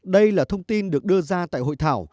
đây là thông tin được đưa ra tại hội thảo